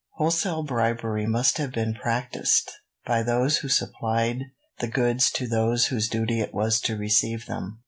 Wholesale bribery must have been practised, by those who supplied the goods to those whose duty it was to receive them."